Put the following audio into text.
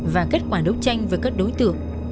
và kết quả đấu tranh với các đối tượng